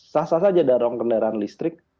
sah sah saja dorong kendaraan listrik